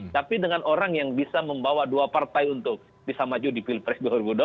tapi dengan orang yang bisa membawa dua partai untuk bisa maju di pilpres dua ribu dua puluh